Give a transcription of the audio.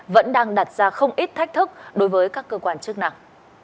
vẫn đang đặt ra không ít thách thức đối với các cơ quan chức năng